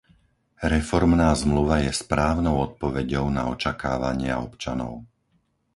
Reformná zmluva je správnou odpoveďou na očakávania občanov.